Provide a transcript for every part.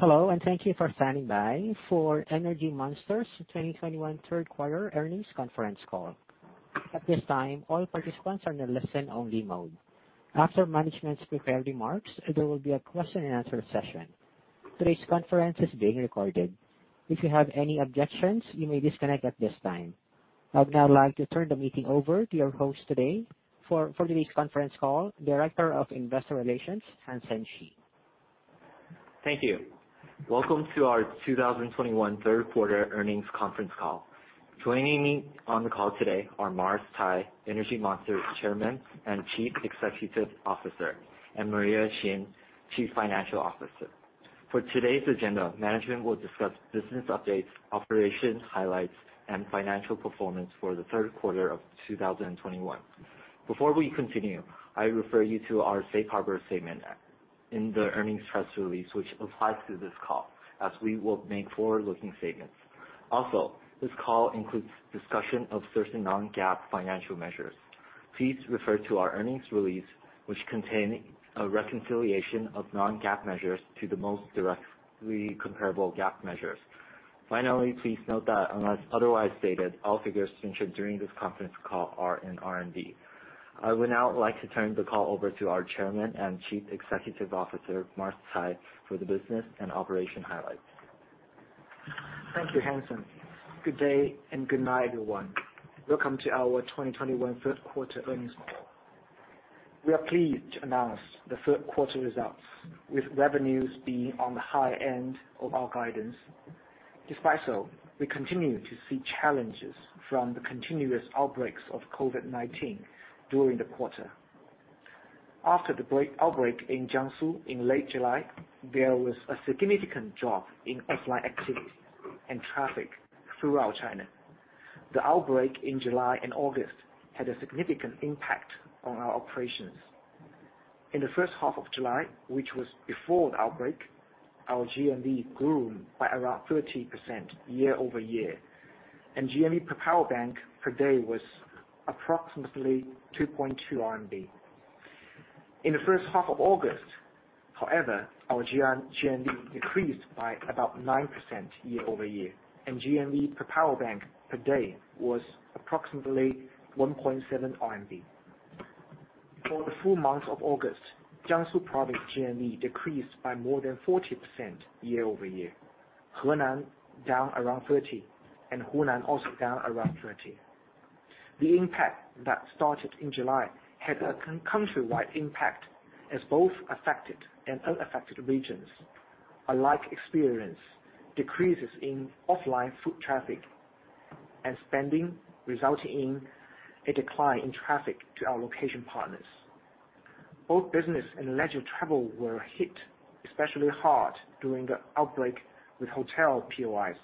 Hello, and thank you for standing by for Energy Monster's 2021 Third Quarter Earnings Conference Call. At this time, all participants are in a listen-only mode. After management's prepared remarks, there will be a question and answer session. Today's conference is being recorded. If you have any objections, you may disconnect at this time. I'd now like to turn the meeting over to your host today for today's conference call, Director of Investor Relations, Hansen Shi. Thank you. Welcome to our 2021 third quarter earnings conference call. Joining me on the call today are Mars Cai, Energy Monster's Chairman and Chief Executive Officer, and Maria Xin, Chief Financial Officer. For today's agenda, management will discuss business updates, operations highlights, and financial performance for the third quarter of 2021. Before we continue, I refer you to our safe harbor statement in the earnings press release, which applies to this call, as we will make forward-looking statements. Also, this call includes discussion of certain non-GAAP financial measures. Please refer to our earnings release, which contain a reconciliation of non-GAAP measures to the most directly comparable GAAP measures. Finally, please note that unless otherwise stated, all figures mentioned during this conference call are in RMB. I would now like to turn the call over to our Chairman and Chief Executive Officer, Mars Cai, for the business and operation highlights. Thank you, Hansen. Good day and good night, everyone. Welcome to our 2021 third quarter earnings call. We are pleased to announce the third quarter results, with revenues being on the high end of our guidance. Despite so, we continue to see challenges from the continuous outbreaks of COVID-19 during the quarter. After the outbreak in Jiangsu in late July, there was a significant drop in offline activities and traffic throughout China. The outbreak in July and August had a significant impact on our operations. In the first half of July, which was before the outbreak, our GMV grew by around 30% year-over-year, and GMV per power bank per day was approximately 2.2 RMB. In the first half of August, however, our GMV decreased by about 9% year-over-year, and GMV per power bank per day was approximately 1.7 RMB. For the full month of August, Jiangsu Province GMV decreased by more than 40% year-over-year. Henan down around 30%, and Hunan also down around 30%. The impact that started in July had a countrywide impact, as both affected and unaffected regions alike experienced decreases in offline foot traffic and spending, resulting in a decline in traffic to our location partners. Both business and leisure travel were hit especially hard during the outbreak with hotel POIs.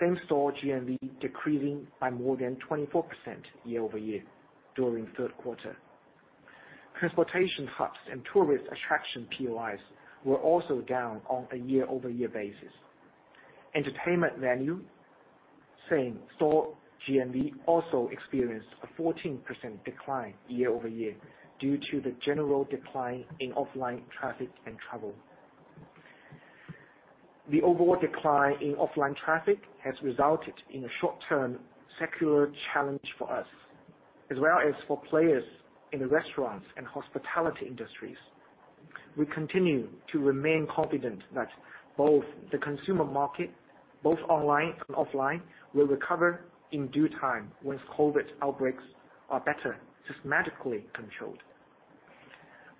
Same-store GMV decreasing by more than 24% year-over-year during the third quarter. Transportation hubs and tourist attraction POIs were also down on a year-over-year basis. Entertainment venue same-store GMV also experienced a 14% decline year-over-year due to the general decline in offline traffic and travel. The overall decline in offline traffic has resulted in a short-term secular challenge for us, as well as for players in the restaurants and hospitality industries. We continue to remain confident that both the consumer market, both online and offline, will recover in due time once COVID outbreaks are better systematically controlled.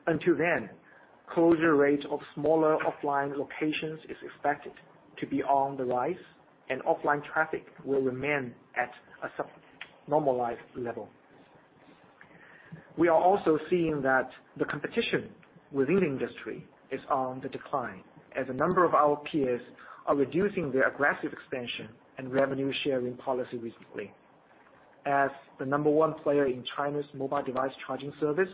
Until then, closure rate of smaller offline locations is expected to be on the rise, and offline traffic will remain at a sub-normalized level. We are also seeing that the competition within the industry is on the decline, as a number of our peers are reducing their aggressive expansion and revenue sharing policy recently. As the number one player in China's mobile device charging service,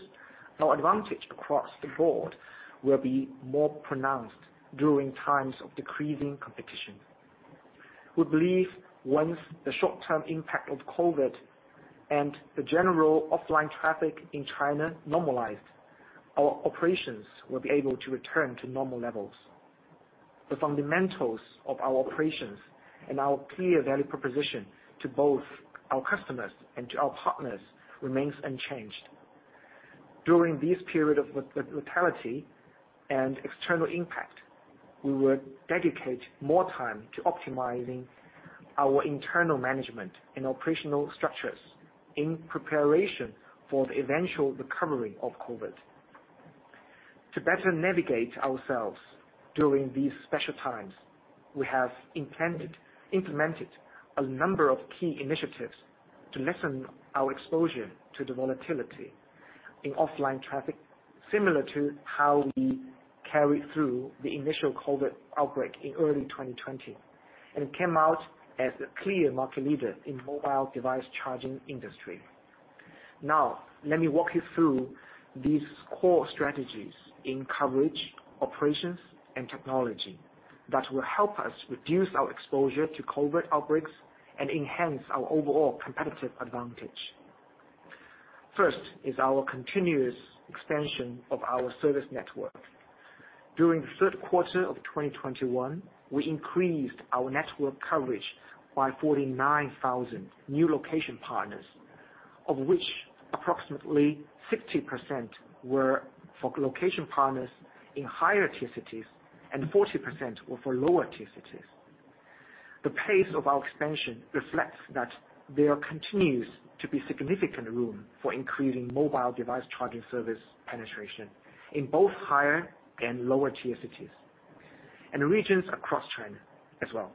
our advantage across the board will be more pronounced during times of decreasing competition. We believe once the short-term impact of COVID and the general offline traffic in China normalize, our operations will be able to return to normal levels. The fundamentals of our operations and our clear value proposition to both our customers and to our partners remains unchanged. During this period of volatility and external impact, we will dedicate more time to optimizing our internal management and operational structures in preparation for the eventual recovery of COVID. To better navigate ourselves during these special times, we have implemented a number of key initiatives to lessen our exposure to the volatility in offline traffic, similar to how we carried through the initial COVID outbreak in early 2020 and came out as a clear market leader in mobile device charging industry. Now, let me walk you through these core strategies in coverage, operations, and technology that will help us reduce our exposure to COVID outbreaks and enhance our overall competitive advantage. First is our continuous expansion of our service network. During the third quarter of 2021, we increased our network coverage by 49,000 new location partners, of which approximately 60% were for location partners in higher tier cities and 40% were for lower tier cities. The pace of our expansion reflects that there continues to be significant room for increasing mobile device charging service penetration in both higher and lower tier cities, and regions across China as well.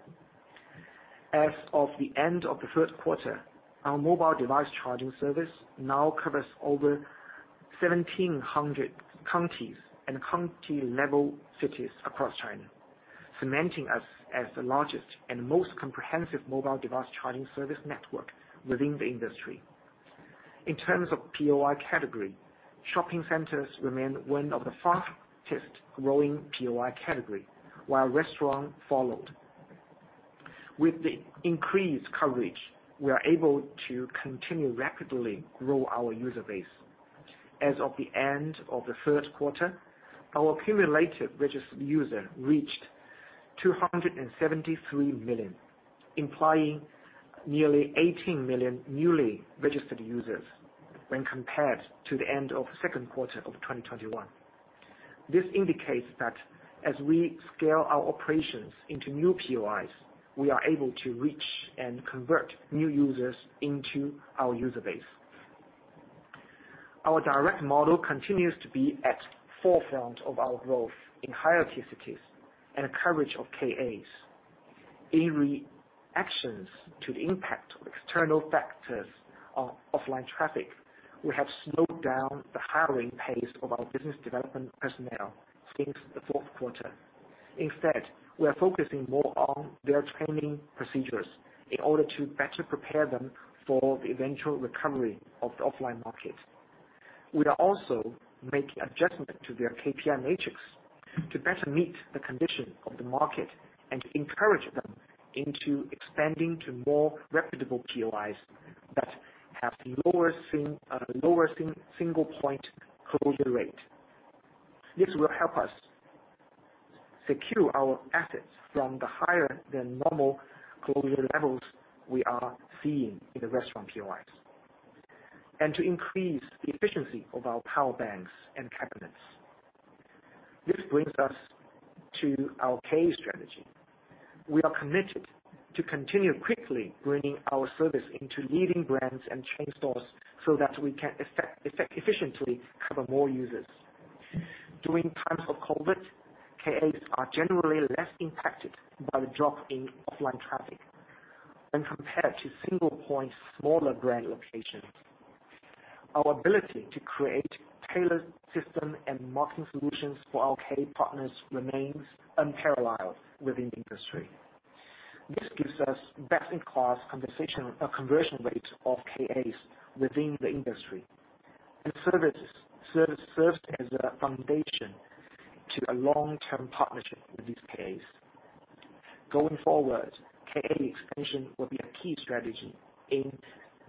As of the end of the third quarter, our mobile device charging service now covers over 1,700 counties and county level cities across China, cementing us as the largest and most comprehensive mobile device charging service network within the industry. In terms of POI category, shopping centers remain one of the fastest-growing POI category, while restaurant followed. With the increased coverage, we are able to continue rapidly grow our user base. As of the end of the third quarter, our cumulative registered user reached 273 million, implying nearly 18 million newly registered users when compared to the end of second quarter of 2021. This indicates that as we scale our operations into new POIs, we are able to reach and convert new users into our user base. Our direct model continues to be at forefront of our growth in higher tier cities and coverage of KAs. In reactions to the impact of external factors on offline traffic, we have slowed down the hiring pace of our business development personnel since the fourth quarter. Instead, we are focusing more on their training procedures in order to better prepare them for the eventual recovery of the offline market. We are also making adjustment to their KPI matrix to better meet the condition of the market and encourage them into expanding to more reputable POIs that have lower single point closure rate. This will help us secure our assets from the higher than normal closure levels we are seeing in the restaurant POIs, and to increase the efficiency of our power banks and cabinets. This brings us to our KA strategy. We are committed to continue quickly bringing our service into leading brands and chain stores so that we can efficiently cover more users. During times of COVID, KAs are generally less impacted by the drop in offline traffic when compared to single point smaller brand locations. Our ability to create tailored system and marketing solutions for our KA partners remains unparalleled within the industry. This gives us best-in-class conversion rates of KAs within the industry and service serves as a foundation to a long-term partnership with these KAs. Going forward, KA expansion will be a key strategy in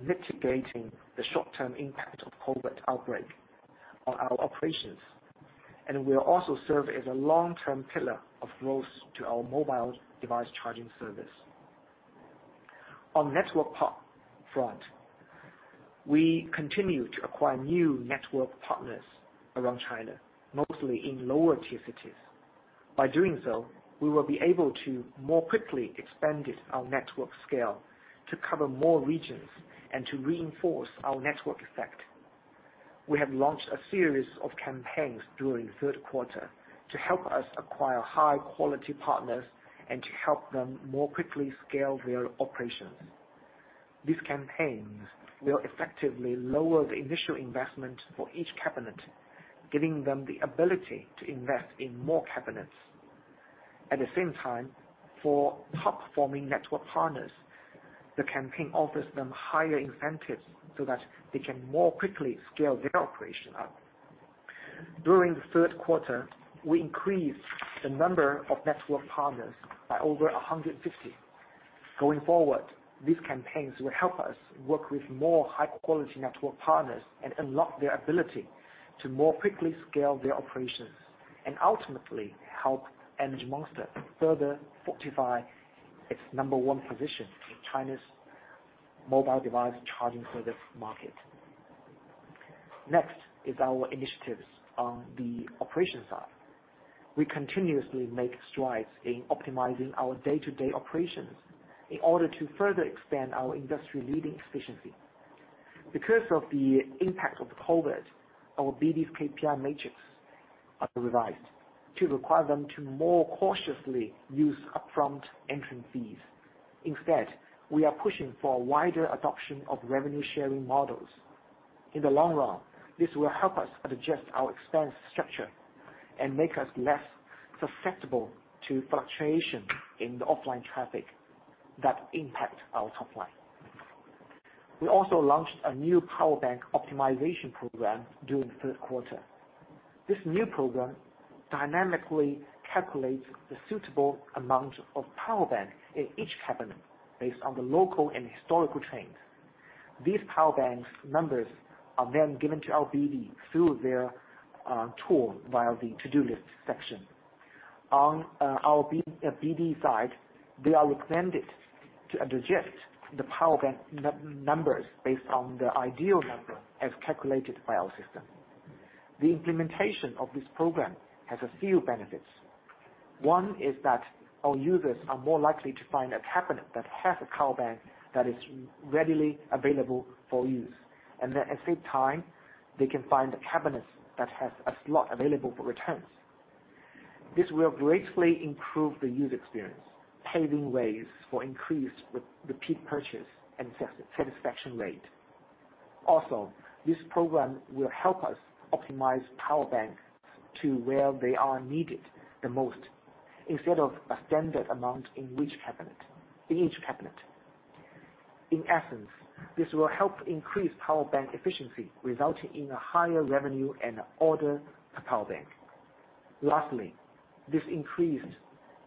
mitigating the short-term impact of COVID outbreak on our operations. Will also serve as a long-term pillar of growth to our mobile device charging service. On the network front, we continue to acquire new network partners around China, mostly in lower-tier cities. By doing so, we will be able to more quickly expand our network scale, to cover more regions and to reinforce our network effect. We have launched a series of campaigns during the third quarter to help us acquire high-quality partners and to help them more quickly scale their operations. These campaigns will effectively lower the initial investment for each cabinet, giving them the ability to invest in more cabinets. At the same time, for top-performing network partners, the campaign offers them higher incentives so that they can more quickly scale their operation up. During the third quarter, we increased the number of network partners by over 150. Going forward, these campaigns will help us work with more high-quality network partners and unlock their ability to more quickly scale their operations. Ultimately, help Energy Monster further fortify its number one position in China's mobile device charging service market. Next is our initiatives on the operations side. We continuously make strides in optimizing our day-to-day operations in order to further expand our industry-leading efficiency. Because of the impact of the COVID, our BD's KPI matrix are revised to require them to more cautiously use upfront entrance fees. Instead, we are pushing for a wider adoption of revenue-sharing models. In the long run, this will help us adjust our expense structure and make us less susceptible to fluctuation in the offline traffic that impact our top line. We also launched a new power bank optimization program during the third quarter. This new program dynamically calculates the suitable amount of power bank in each cabinet based on the local and historical trends. These power banks numbers are then given to our BD through their tool via the to-do list section. On our BD side, they are recommended to adjust the power bank numbers based on the ideal number as calculated by our system. The implementation of this program has a few benefits. One is that our users are more likely to find a cabinet that has a power bank that is readily available for use, and that at the same time, they can find the cabinets that has a slot available for returns. This will greatly improve the user experience, paving the way for increased repeat purchase and satisfaction rate. Also, this program will help us optimize power banks to where they are needed the most instead of a standard amount in each cabinet. In essence, this will help increase power bank efficiency, resulting in a higher revenue and order per power bank. Lastly, this increased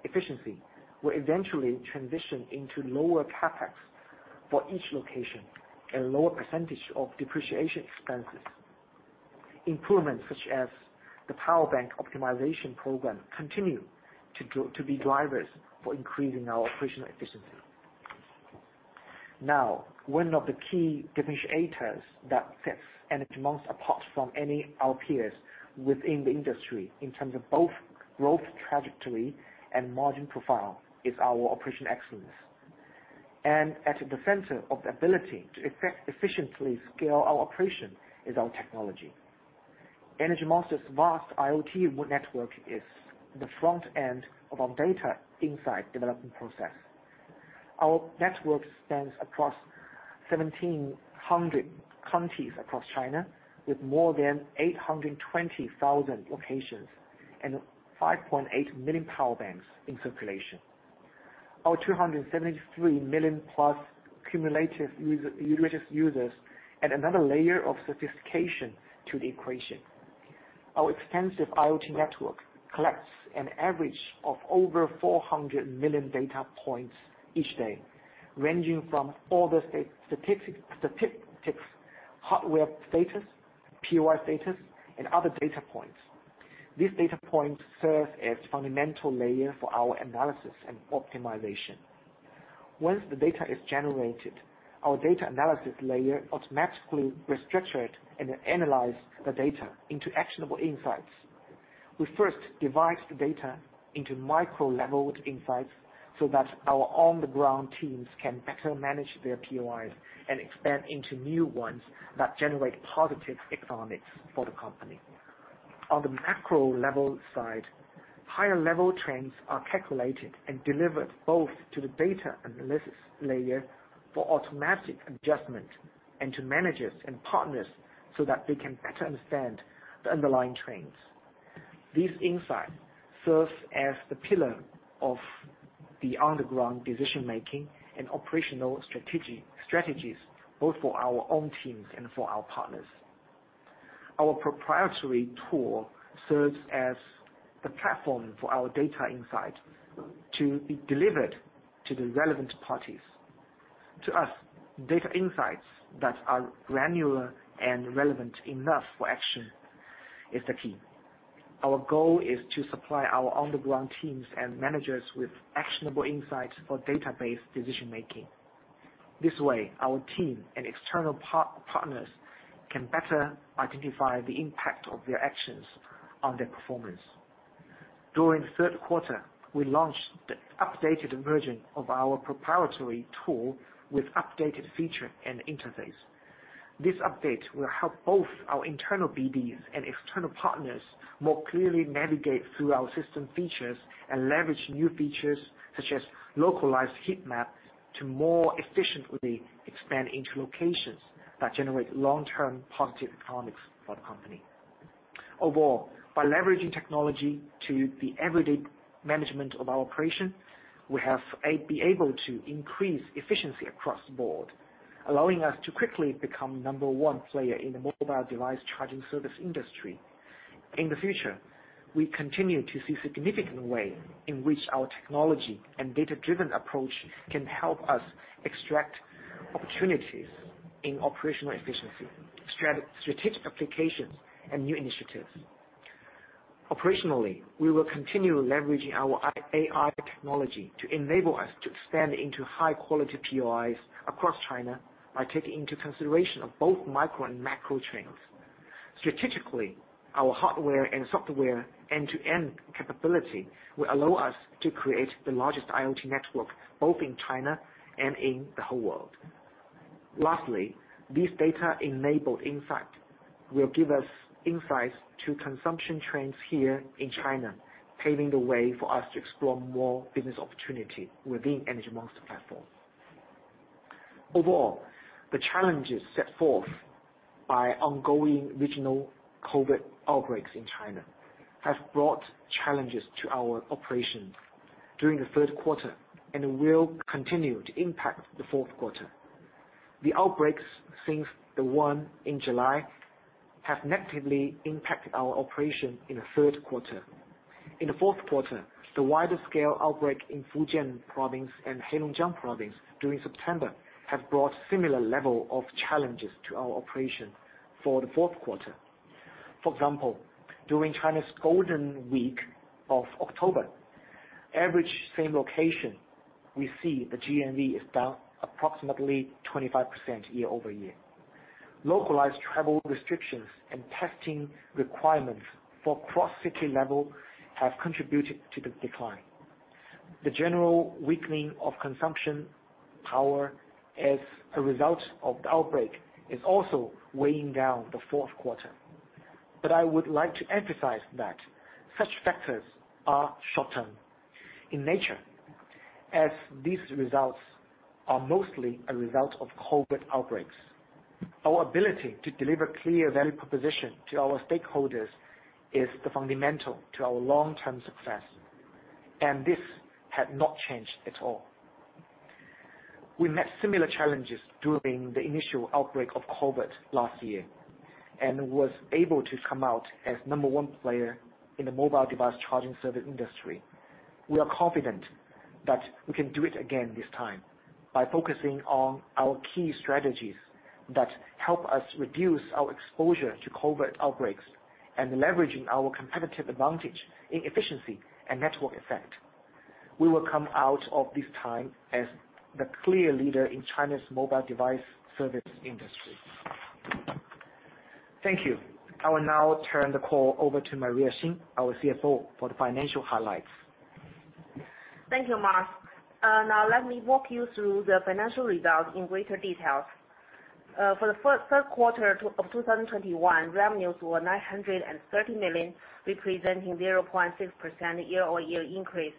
efficiency will eventually transition into lower CapEx for each location and lower percentage of depreciation expenses. Improvements such as the power bank optimization program continue to be drivers for increasing our operational efficiency. Now, one of the key differentiators that sets Energy Monster apart from any of our peers within the industry in terms of both growth trajectory and margin profile is our operational excellence. At the center of the ability to effectively scale our operation is our technology. Energy Monster's vast IoT network is the front end of our data insight development process. Our network spans across 1,700 counties across China with more than 820,000 locations and 5.8 million power banks in circulation. Our 273 million+ cumulative user-registered users add another layer of sophistication to the equation. Our extensive IoT network collects an average of over 400 million data points each day, ranging from order statistics, hardware status, POI status, and other data points. These data points serve as fundamental layer for our analysis and optimization. Once the data is generated, our data analysis layer automatically restructure it and then analyze the data into actionable insights. We first divide the data into micro-leveled insights so that our on-the-ground teams can better manage their POIs and expand into new ones that generate positive economics for the company. On the macro level side, higher-level trends are calculated and delivered both to the data analysis layer for automatic adjustment and to managers and partners so that they can better understand the underlying trends. This insight serves as the pillar of the on-the-ground decision-making and operational strategies, both for our own teams and for our partners. Our proprietary tool serves as the platform for our data insight to be delivered to the relevant parties. To us, data insights that are granular and relevant enough for action is the key. Our goal is to supply our on-the-ground teams and managers with actionable insights for database decision-making. This way, our team and external partners can better identify the impact of their actions on their performance. During the third quarter, we launched the updated version of our proprietary tool with updated feature and interface. This update will help both our internal BDs and external partners more clearly navigate through our system features and leverage new features such as localized heat map to more efficiently expand into locations that generate long-term positive economics for the company. Overall, by leveraging technology to the everyday management of our operation, we have been able to increase efficiency across the board, allowing us to quickly become number one player in the mobile device charging service industry. In the future, we continue to see significant ways in which our technology and data-driven approach can help us extract opportunities in operational efficiency, strategic applications, and new initiatives. Operationally, we will continue leveraging our AI technology to enable us to expand into high-quality POIs across China by taking into consideration both micro and macro trends. Strategically, our hardware and software end-to-end capability will allow us to create the largest IoT network, both in China and in the whole world. Lastly, this data-enabled insight will give us insights to consumption trends here in China, paving the way for us to explore more business opportunity within Energy Monster platform. Overall, the challenges set forth by ongoing regional COVID outbreaks in China have brought challenges to our operations during the third quarter and will continue to impact the fourth quarter. The outbreaks since the one in July have negatively impacted our operation in the third quarter. In the fourth quarter, the wider scale outbreak in Fujian Province and Heilongjiang Province during September have brought similar level of challenges to our operation for the fourth quarter. For example, during China's Golden Week of October, average same location, we see the GMV is down approximately 25% year-over-year. Localized travel restrictions and testing requirements for cross-city level have contributed to the decline. The general weakening of consumption power as a result of the outbreak is also weighing down the fourth quarter. I would like to emphasize that such factors are short-term in nature, as these results are mostly a result of COVID outbreaks. Our ability to deliver clear value proposition to our stakeholders is the fundamental to our long-term success, and this had not changed at all. We met similar challenges during the initial outbreak of COVID last year, and was able to come out as number one player in the mobile device charging service industry. We are confident that we can do it again this time by focusing on our key strategies that help us reduce our exposure to COVID outbreaks and leveraging our competitive advantage in efficiency and network effect. We will come out of this time as the clear leader in China's mobile device service industry. Thank you. I will now turn the call over to Maria Xin, our CFO, for the financial highlights. Thank you, Mars. Now let me walk you through the financial results in greater details. For the third quarter of 2021, revenues were 930 million, representing 0.6% year-over-year increase.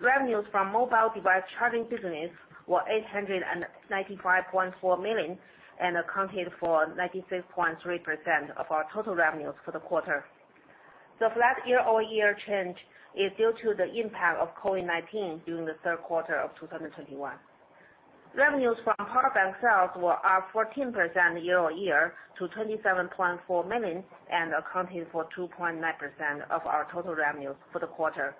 Revenues from mobile device charging business were 895.4 million and accounted for 96.3% of our total revenues for the quarter. The flat year-over-year change is due to the impact of COVID-19 during the third quarter of 2021. Revenues from power bank sales were up 14% year-over-year to 27.4 million and accounting for 2.9% of our total revenues for the quarter.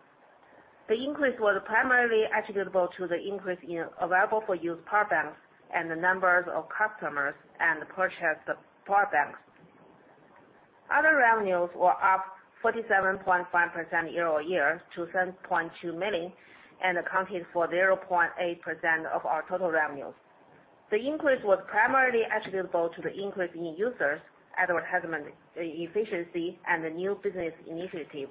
The increase was primarily attributable to the increase in available for use power banks and the numbers of customers and purchase of power banks. Other revenues were up 47.5% year-over-year to 7.2 million and accounted for 0.8% of our total revenues. The increase was primarily attributable to the increase in users, advertisement efficiency, and the new business initiatives.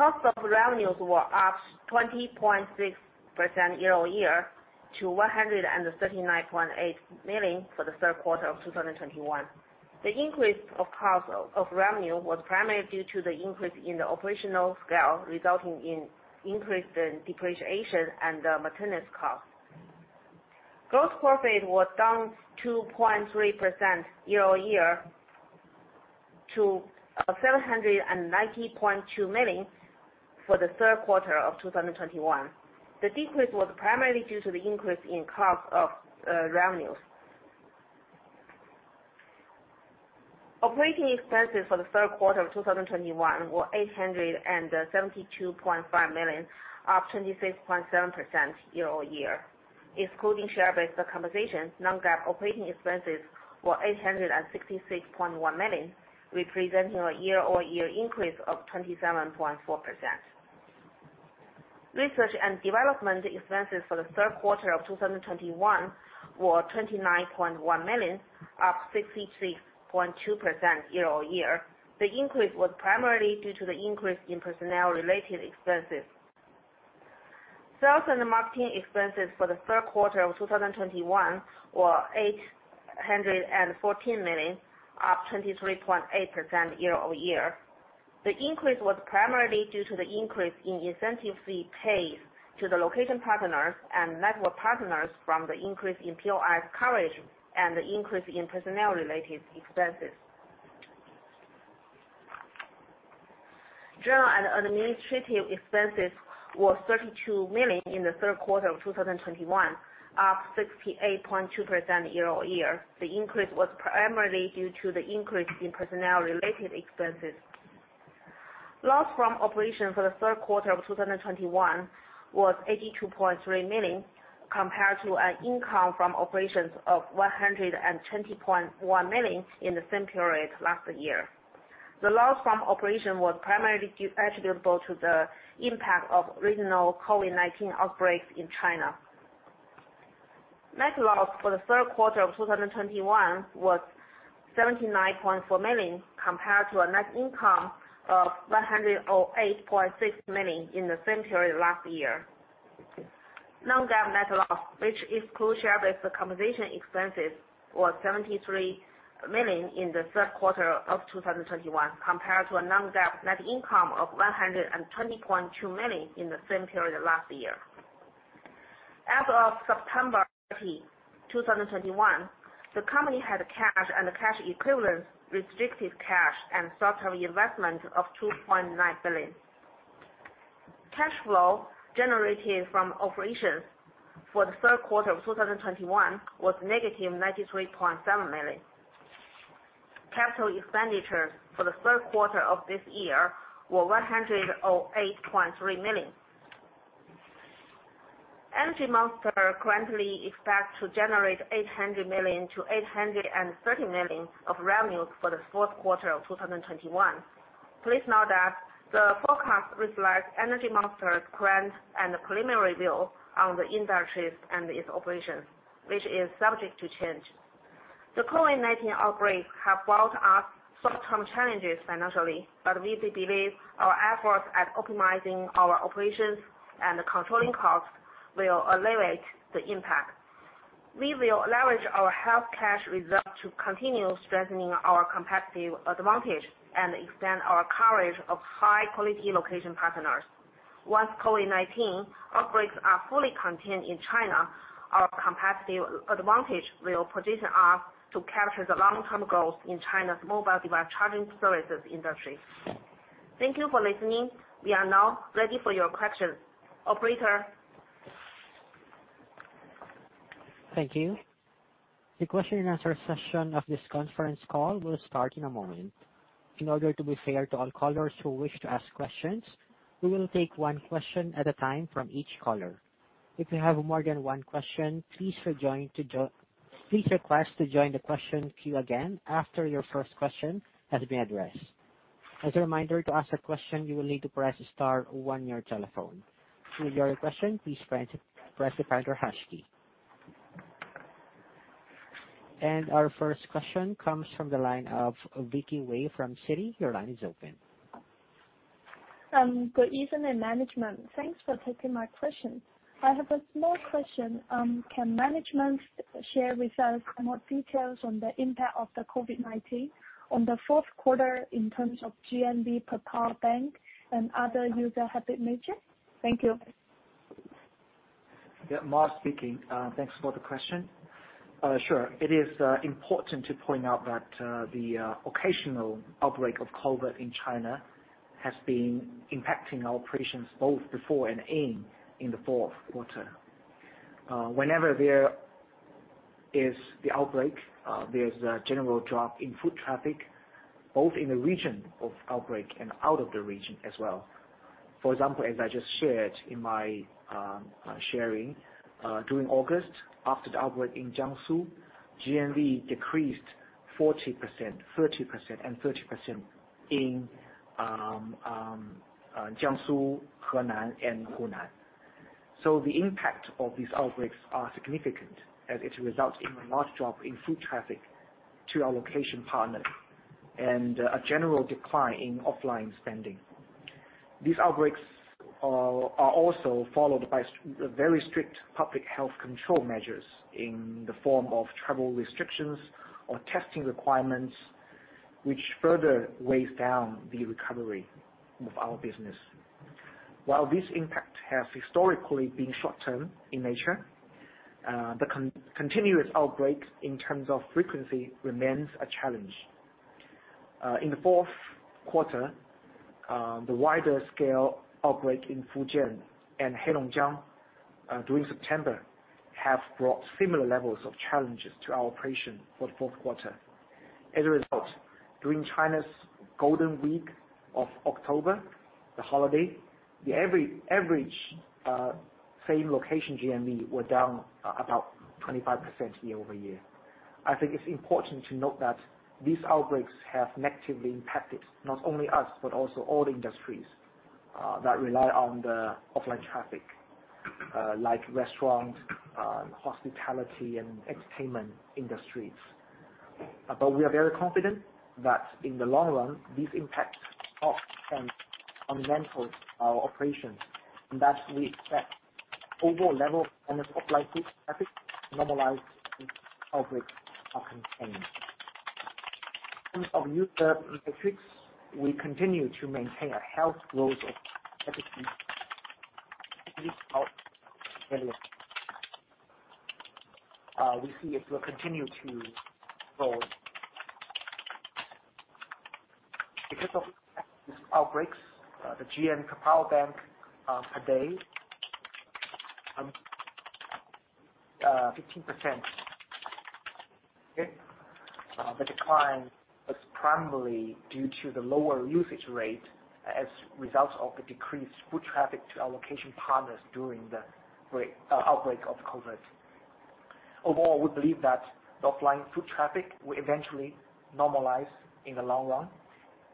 Cost of revenues were up 20.6% year-over-year to 139.8 million for the third quarter of 2021. The increase of cost of revenue was primarily due to the increase in the operational scale, resulting in increased depreciation and maintenance costs. Gross profit was down 2.3% year-over-year to 790.2 million for the third quarter of 2021. The decrease was primarily due to the increase in cost of revenues. Operating expenses for the third quarter of 2021 were 872.5 million, up 26.7% year-over-year. Excluding share-based compensation, non-GAAP operating expenses were 866.1 million, representing a year-over-year increase of 27.4%. Research and development expenses for the third quarter of 2021 were 29.1 million, up 63.2% year-over-year. The increase was primarily due to the increase in personnel-related expenses. Sales and marketing expenses for the third quarter of 2021 were 814 million, up 23.8% year-over-year. The increase was primarily due to the increase in incentive fee paid to the location partners and network partners from the increase in POI coverage and the increase in personnel-related expenses. General and administrative expenses were 32 million in the third quarter of 2021, up 68.2% year-over-year. The increase was primarily due to the increase in personnel-related expenses. Loss from operation for the third quarter of 2021 was 82.3 million, compared to an income from operations of 120.1 million in the same period last year. The loss from operation was primarily attributable to the impact of regional COVID-19 outbreaks in China. Net loss for the third quarter of 2021 was 79.4 million, compared to a net income of 108.6 million in the same period last year. Non-GAAP net loss, which excludes share-based compensation expenses, was 73 million in the third quarter of 2021, compared to a non-GAAP net income of 120.2 million in the same period last year. As of September 30, 2021, the company had cash and cash equivalents, restricted cash and short-term investments of RMB 2.9 billion. Cash flow generated from operations for the third quarter of 2021 was -93.7 million. Capital expenditure for the third quarter of this year were 108.3 million. Energy Monster currently expects to generate 800 million-830 million of revenues for the fourth quarter of 2021. Please note that the forecast reflects Energy Monster's current and preliminary view on the industries and its operations, which is subject to change. The COVID-19 outbreaks have brought us short-term challenges financially, but we do believe our efforts at optimizing our operations and controlling costs will alleviate the impact. We will leverage our healthy cash reserve to continue strengthening our competitive advantage and extend our coverage of high-quality location partners. Once COVID-19 outbreaks are fully contained in China, our competitive advantage will position us to capture the long-term growth in China's mobile device charging services industry. Thank you for listening. We are now ready for your questions. Operator? Thank you. The question and answer session of this conference call will start in a moment. In order to be fair to all callers who wish to ask questions, we will take one question at a time from each caller. If you have more than one question, please request to join the question queue again after your first question has been addressed. As a reminder, to ask a question, you will need to press star one on your telephone. To withdraw your question, please press the pound or hash key. Our first question comes from the line of Vicky Wei from Citi. Your line is open. Good evening, management. Thanks for taking my question. I have a small question. Can management share with us more details on the impact of the COVID-19 on the fourth quarter in terms of GMV per power bank and other user habit measure? Thank you. Yeah, Mars speaking. Thanks for the question. Sure. It is important to point out that the occasional outbreak of COVID in China has been impacting our operations both before and in the fourth quarter. Whenever there is the outbreak, there's a general drop in foot traffic, both in the region of outbreak and out of the region as well. For example, as I just shared in my sharing during August, after the outbreak in Jiangsu, GMV decreased 40%, 30% and 30% in Jiangsu, Henan and Hunan. The impact of these outbreaks are significant as it results in a large drop in foot traffic to our location partners and a general decline in offline spending. These outbreaks are also followed by very strict public health control measures in the form of travel restrictions or testing requirements, which further weighs down the recovery of our business. While this impact has historically been short-term in nature, the continuous outbreaks in terms of frequency remains a challenge. In the fourth quarter, the wider scale outbreak in Fujian and Heilongjiang during September have brought similar levels of challenges to our operation for the fourth quarter. As a result, during China's Golden Week of October, the holiday, the average same-location GMV were down about 25% year-over-year. I think it's important to note that these outbreaks have negatively impacted not only us, but also all the industries that rely on the offline traffic, like restaurant, hospitality and entertainment industries. We are very confident that in the long run, these impacts are temporary on the rental operations, and that we expect overall level and the offline foot traffic to normalize as outbreaks are contained. In terms of user metrics, we continue to maintain a healthy growth of active users, we see it will continue to grow. Because of the impact of these outbreaks, the GMV per power bank per day 15%. The decline is primarily due to the lower usage rate as a result of the decreased foot traffic to our location partners during the outbreak of COVID. Overall, we believe that the offline foot traffic will eventually normalize in the long run.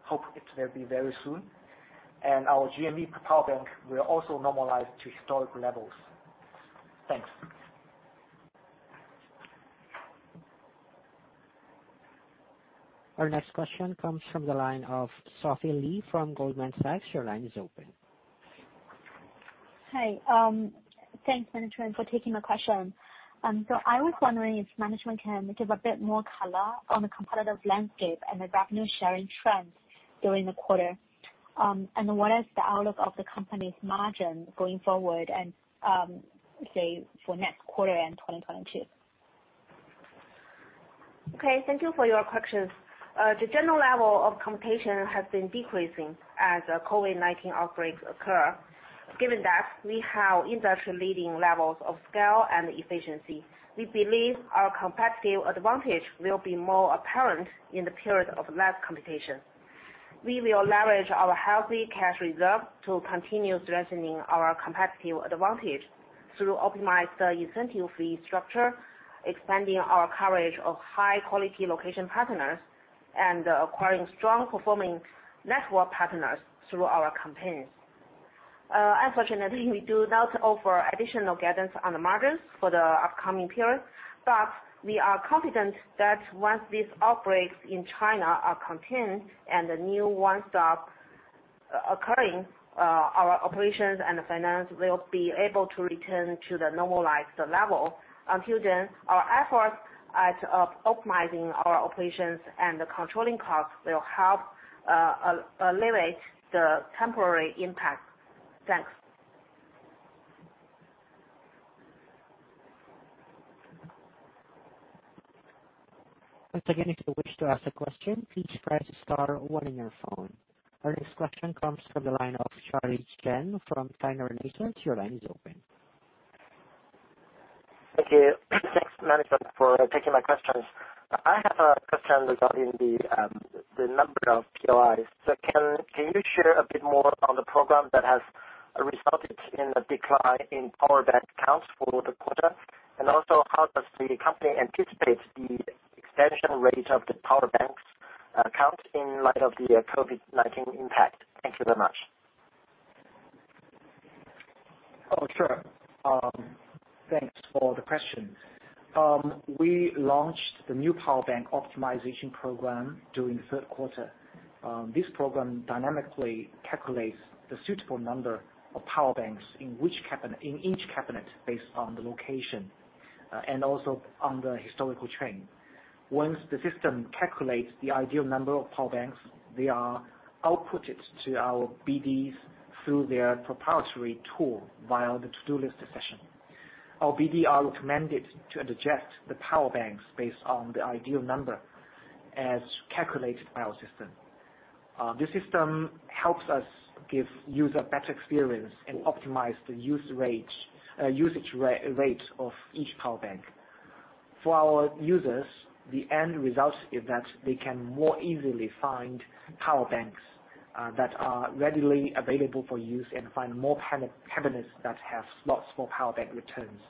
Hope it will be very soon. Our GMV per power bank will also normalize to historic levels. Thanks. Our next question comes from the line of Sophie Li from Goldman Sachs. Your line is open. Hi. Thanks management for taking my question. I was wondering if management can give a bit more color on the competitive landscape and the revenue sharing trends during the quarter. What is the outlook of the company's margin going forward, say for next quarter and 2022? Okay, thank you for your questions. The general level of competition has been decreasing as COVID-19 outbreaks occur. Given that we have industry-leading levels of scale and efficiency, we believe our competitive advantage will be more apparent in the period of less competition. We will leverage our healthy cash reserve to continue strengthening our competitive advantage through optimized incentive fee structure, expanding our coverage of high-quality location partners, and acquiring strong performing network partners through our campaigns. Unfortunately, we do not offer additional guidance on the margins for the upcoming period, but we are confident that once these outbreaks in China are contained and the new ones stop occurring, our operations and finance will be able to return to the normalized level. Until then, our efforts at optimizing our operations and controlling costs will help limit the temporary impact. Thanks. Once again, if you wish to ask a question, please press star one on your phone. Our next question comes from the line of Charlie Chen from China Renaissance. Your line is open. Thank you. Thanks, management, for taking my questions. I have a question regarding the number of POIs. Can you share a bit more on the program that has resulted in a decline in power bank accounts for the quarter? Also, how does the company anticipate the expansion rate of the power bank accounts in light of the COVID-19 impact? Thank you very much. Oh, sure. Thanks for the question. We launched the new power bank optimization program during the third quarter. This program dynamically calculates the suitable number of power banks in each cabinet based on the location and also on the historical trend. Once the system calculates the ideal number of power banks, they are outputted to our BDs through their proprietary tool via the to-do list session. Our BDs are recommended to inject the power banks based on the ideal number as calculated by our system. This system helps us give users better experience and optimize the usage rate of each power bank. For our users, the end result is that they can more easily find power banks that are readily available for use and find more cabinets that have slots for power bank returns.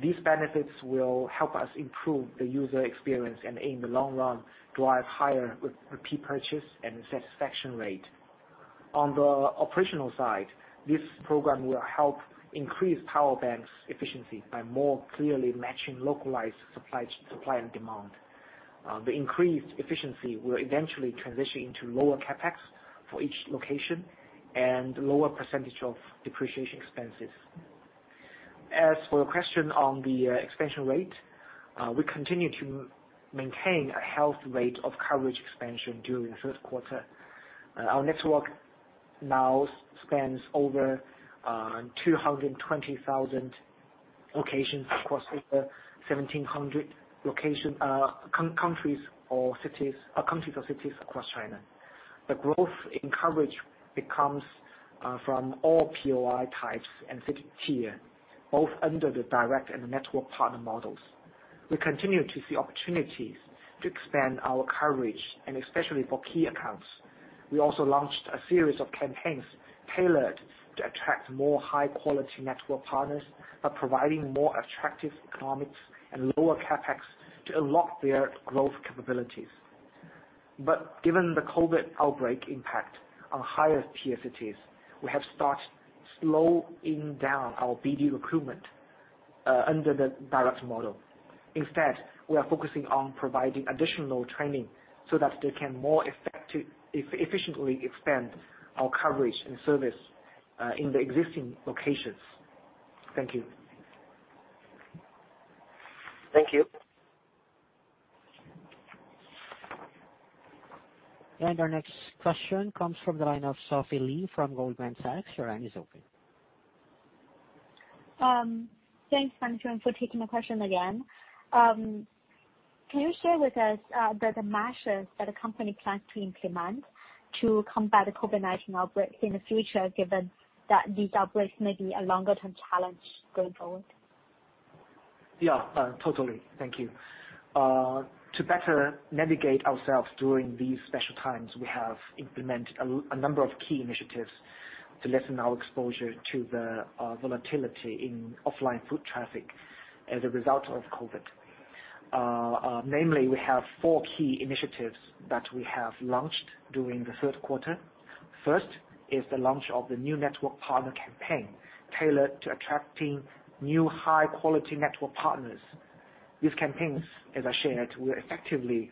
These benefits will help us improve the user experience and in the long run, drive higher repurchase and satisfaction rate. On the operational side, this program will help increase power banks efficiency by more clearly matching localized supply and demand. The increased efficiency will eventually transition into lower CapEx for each location and lower percentage of depreciation expenses. As for your question on the expansion rate, we continue to maintain a healthy rate of coverage expansion during the third quarter. Our network now spans over 220,000 locations across over 1,700 counties or cities across China. The growth in coverage comes from all POI types and city tier, both under the direct and the network partner models. We continue to see opportunities to expand our coverage and especially for key accounts. We also launched a series of campaigns tailored to attract more high-quality network partners by providing more attractive economics and lower CapEx to unlock their growth capabilities. Given the COVID outbreak impact on higher tier cities, we have started slowing down our BD recruitment under the direct model. Instead, we are focusing on providing additional training so that they can more effectively, efficiently expand our coverage and service in the existing locations. Thank you. Thank you. Our next question comes from the line of Sophie Li from Goldman Sachs. Your line is open. Thanks, management, for taking my question again. Can you share with us the measures that the company plans to implement to combat the COVID-19 outbreaks in the future, given that these outbreaks may be a longer-term challenge going forward? Yeah, totally. Thank you. To better navigate ourselves during these special times, we have implemented a number of key initiatives to lessen our exposure to the volatility in offline foot traffic as a result of COVID. Namely, we have four key initiatives that we have launched during the third quarter. First is the launch of the new network partner campaign tailored to attracting new high-quality network partners. These campaigns, as I shared, will effectively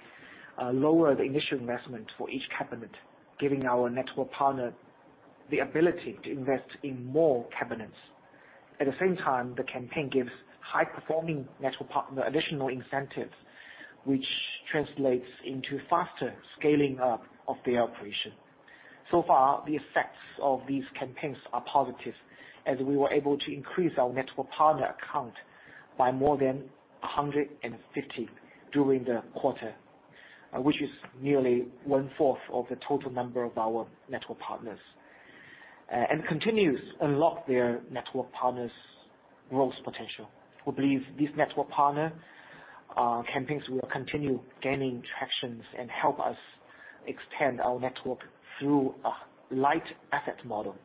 lower the initial investment for each cabinet, giving our network partner the ability to invest in more cabinets. At the same time, the campaign gives high-performing network partner additional incentives, which translates into faster scaling up of their operation. So far, the effects of these campaigns are positive as we were able to increase our network partner account by more than 150 during the quarter, which is nearly 1/4 of the total number of our network partners, and continues to unlock their network partners' growth potential. We believe these network partner campaigns will continue gaining traction and help us extend our network through a light asset model.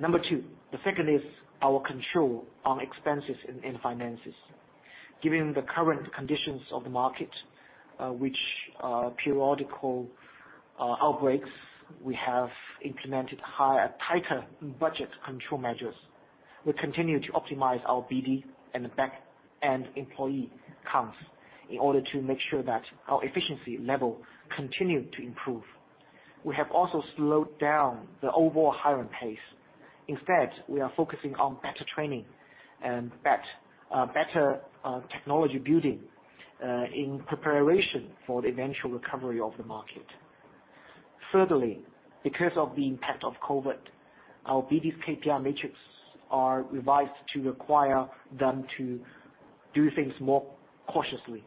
Number two, the second is our control on expenses in finances. Given the current conditions of the market, which are periodic outbreaks, we have implemented tighter budget control measures. We continue to optimize our BD and the back-end employee counts in order to make sure that our efficiency level continue to improve. We have also slowed down the overall hiring pace. Instead, we are focusing on better training and better technology building in preparation for the eventual recovery of the market. Thirdly, because of the impact of COVID, our BD's KPI metrics are revised to require them to do things more cautiously.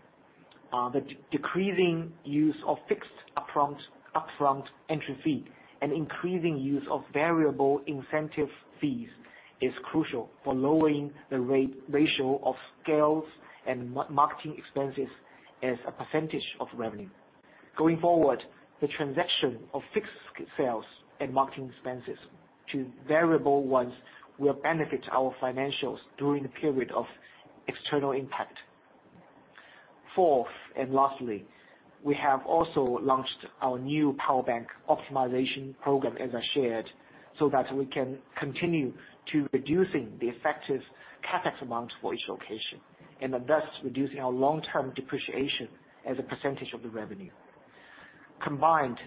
The decreasing use of fixed upfront entry fee and increasing use of variable incentive fees is crucial for lowering the ratio of sales and marketing expenses as a percentage of revenue. Going forward, the transition of fixed sales and marketing expenses to variable ones will benefit our financials during the period of external impact. Fourth and lastly, we have also launched our new power bank optimization program, as I shared, so that we can continue to reducing the effective CapEx amount for each location and thus reducing our long-term depreciation as a percentage of the revenue. Combined,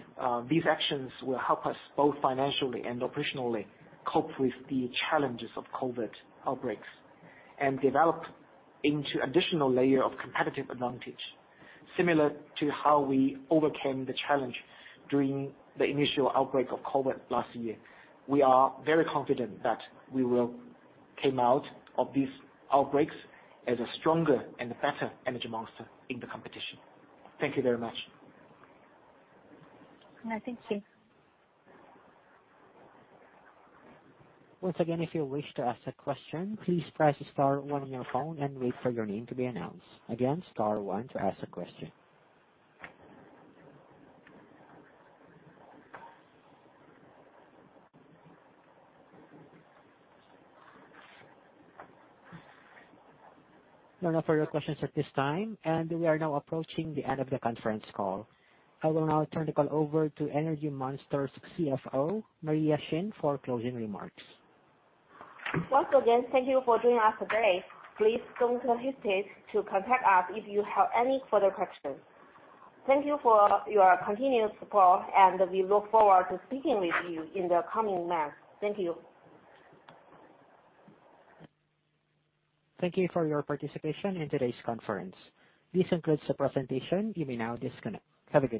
these actions will help us both financially and operationally cope with the challenges of COVID outbreaks and develop into additional layer of competitive advantage. Similar to how we overcame the challenge during the initial outbreak of COVID last year, we are very confident that we will come out of these outbreaks as a stronger and better Energy Monster in the competition. Thank you very much. Yeah. Thank you. Once again, if you wish to ask a question, please press star one on your phone and wait for your name to be announced. Again, star one to ask a question. No, no further questions at this time, and we are now approaching the end of the conference call. I will now turn the call over to Energy Monster's CFO, Maria Xin, for closing remarks. Once again, thank you for joining us today. Please don't hesitate to contact us if you have any further questions. Thank you for your continued support, and we look forward to speaking with you in the coming months. Thank you. Thank you for your participation in today's conference. This concludes the presentation. You may now disconnect. Have a good night.